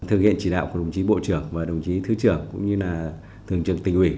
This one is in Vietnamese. thực hiện chỉ đạo của đồng chí bộ trưởng và đồng chí thứ trưởng cũng như là thường trực tỉnh ủy